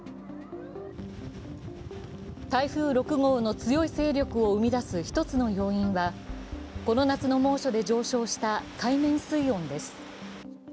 台風６号の強い勢力を生み出す１つの要因はこの夏の猛暑で上昇した海面水温です。